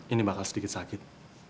ini bakal sedikit sakit